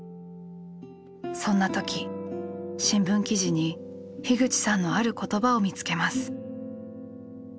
そんな時新聞記事に口さんのある言葉を見つけます。